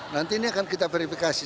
nanti ini akan kita verifikasi